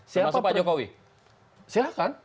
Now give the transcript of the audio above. termasuk pak jokowi